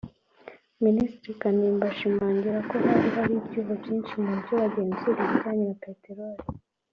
Minisitiri Kanimba ashimangira ko hari hari ibyuho byinshi mu buryo bagenzuraga ibijyanye na Peteroli